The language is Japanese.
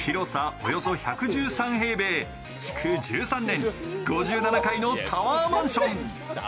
およそ１１３平米、築１３年、５７階のタワーマンション。